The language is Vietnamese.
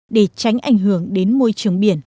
để tránh ảnh hưởng đến môi trường biển